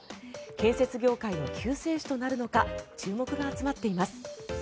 建設業界の救世主となるのか注目が集まっています。